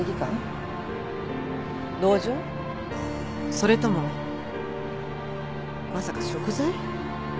それともまさか贖罪？